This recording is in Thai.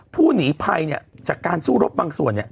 ผู้หนีภัยเนี่ยจากการสู้รบบางส่วนเนี่ย